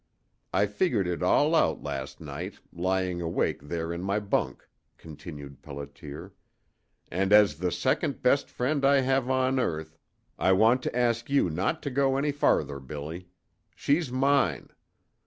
"I figured it all out last night, lying awake there in my bunk," continued Pelliter, "and as the second best friend I have on earth I want to ask you not to go any farther, Billy. She's mine.